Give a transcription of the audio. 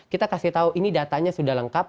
kita kasih tahu ini datanya sudah lengkap